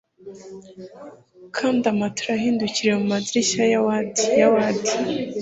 Se aragwa, ahumeka neza mbere yo kwegera abo bagabo.